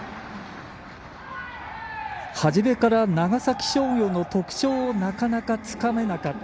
初めから長崎商業の特徴をなかなかつかめなかった。